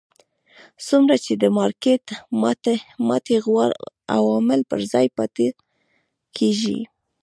څومره چې د مارکېټ ماتې عوامل پر ځای پاتې کېږي.